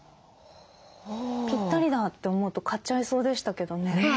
ぴったりだって思うと買っちゃいそうでしたけどね。